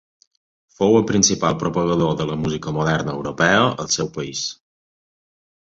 Fou el principal propagador de la música moderna europea al seu país.